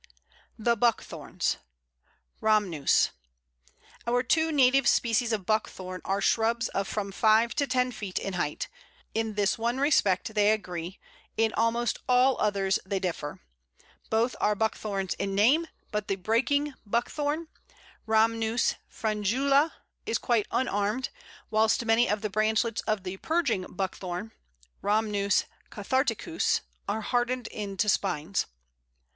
The Buckthorns (Rhamnus). Our two native species of Buckthorn are shrubs of from five to ten feet in height. In this one respect they agree; in almost all others they differ. Both are Buckthorns in name, but the Breaking Buckthorn (Rhamnus frangula) is quite unarmed, whilst many of the branchlets of the Purging Buckthorn (Rhamnus catharticus) are hardened into spines.